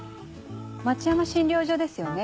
町山診療所ですよね？